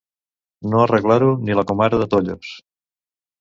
No arreglar-ho ni la comare de Tollos.